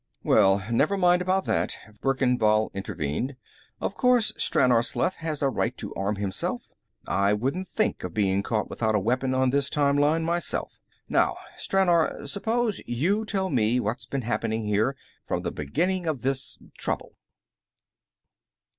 "Well, never mind about that," Verkan Vall intervened. "Of course Stranor Sleth has a right to arm himself; I wouldn't think of being caught without a weapon on this time line, myself. Now, Stranor, suppose you tell me what's been happening, here, from the beginning of this trouble."